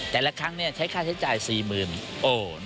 แต่ละครั้งใช้ค่าใช้จ่าย๔๐๐๐